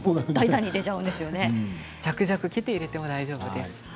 ザクザク切って入れても大丈夫です。